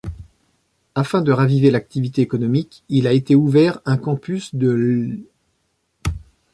Afin de raviver l'activité économique, il a été ouvert un campus de l'.